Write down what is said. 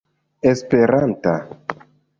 esperanta